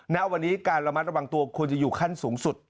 ณวันนี้การระมัดระวังตัวควรจะอยู่ขั้นสูงสุด